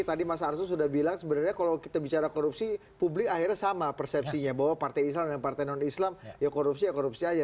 tadi mas arsul sudah bilang sebenarnya kalau kita bicara korupsi publik akhirnya sama persepsinya bahwa partai islam dan partai non islam ya korupsi ya korupsi aja